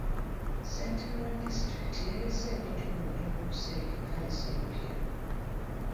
Ssentebe wa disitulikiti yaleese ebintu byonna eby'okusereka ekkanisa empya.